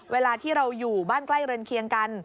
เวลาที่เราอยู่บ้านใกล้เรือนเคียงกัน